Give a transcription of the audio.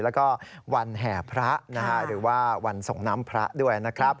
แล้วก็วันแห่พระหรือว่าวันส่งน้ำพระด้วยนะครับ